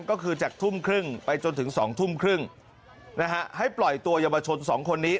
ก็คือจากทุ่มครึ่งไปจนถึง๒ทุ่มครึ่งนะฮะให้ปล่อยตัวเยาวชน๒คนนี้